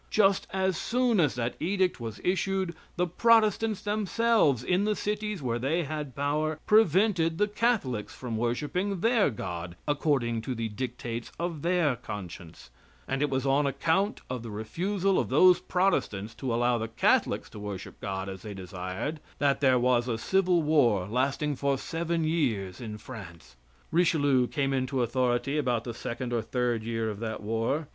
Just as soon as that edict was issued the Protestants themselves, in the cities where they had the power, prevented the Catholics from worshiping their God according to the dictates of their conscience, and it was on account of the refusal of those Protestants to allow the Catholics to worship God as they desired that there was a civil war lasting for seven years in France. Richelieu came into authority about the second or third year of that war.